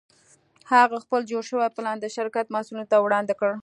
هغه خپل جوړ شوی پلان د شرکت مسوولینو ته وړاندې کړ